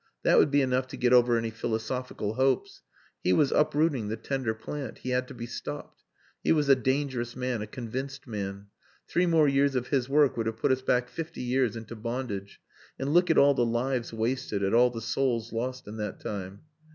That would be enough to get over any philosophical hopes. He was uprooting the tender plant. He had to be stopped. He was a dangerous man a convinced man. Three more years of his work would have put us back fifty years into bondage and look at all the lives wasted, at all the souls lost in that time."